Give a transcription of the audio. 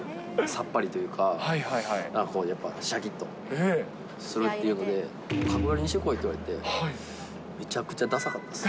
さっぱりというか、なんかこう、やっぱりしゃきっとするっていうので、角刈りにしてこい！って言われて、むちゃくちゃださかったです。